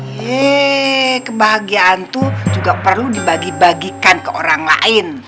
hei kebahagiaan tuh juga perlu dibagi bagikan ke orang lain